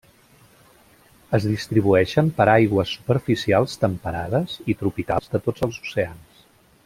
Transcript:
Es distribueixen per aigües superficials temperades i tropicals de tots els oceans.